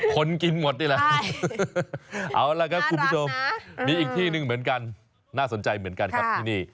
คนกินหมดนี่แหละเอาละครับคุณผู้ชมมีอีกที่หนึ่งเหมือนกันน่าสนใจเหมือนกันครับที่นี่